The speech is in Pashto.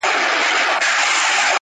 کرونا راغلې پر انسانانو،